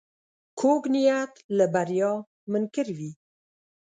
کوږ نیت له بریا منکر وي